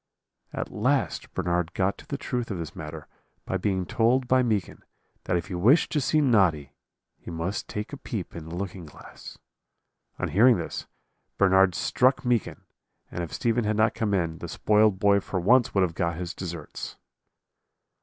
"At last Bernard got to the truth of this matter by being told by Meekin that if he wished to see Noddy, he must take a peep in the looking glass. On hearing this, Bernard struck Meekin, and if Stephen had not come in, the spoiled boy for once would have got his deserts.